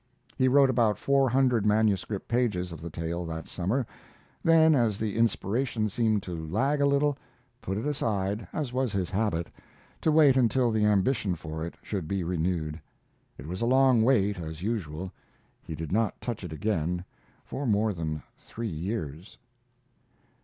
He wrote about four hundred manuscript pages of the tale that summer; then, as the inspiration seemed to lag a little, put it aside, as was his habit, to wait until the ambition for it should be renewed. It was a long wait, as usual. He did not touch it again for more than three years.